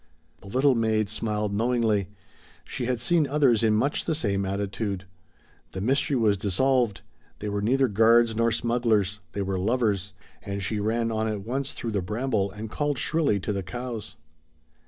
The little maid smiled knowingly; she had seen others in much the same attitude; the mystery was dissolved; they were neither guards nor smugglers they were lovers; and she ran on at once through the bramble and called shrilly to the cows.